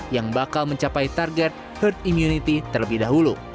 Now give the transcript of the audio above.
yang bakal mencapai target herd immunity terlebih dahulu